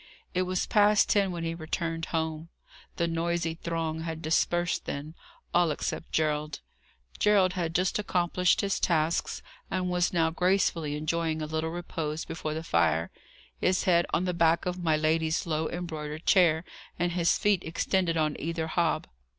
It was past ten when he returned home. The noisy throng had dispersed then, all except Gerald. Gerald had just accomplished his tasks, and was now gracefully enjoying a little repose before the fire; his head on the back of my lady's low embroidered chair, and his feet extended on either hob.